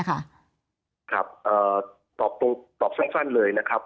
ครับตอบสั้นเลยนะครับ